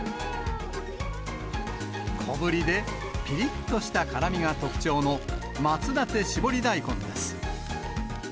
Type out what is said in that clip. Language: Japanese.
小ぶりでぴりっとした辛みが特徴の松館しぼり大根です。